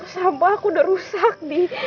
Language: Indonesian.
sampah aku udah rusak nih